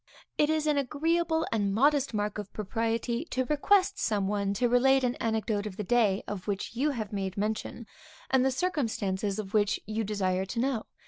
It is an agreeable and modest mark of propriety to request some one to relate an anecdote of the day, of which you have made mention, and the circumstances of which you desire to know.